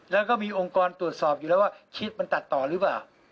แล้วก็มีองค์กรตรวจสอบอยู่แล้วว่าคิดมันตัดต่อหรือเปล่า